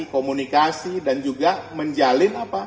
komunikasi dan juga menjalin apa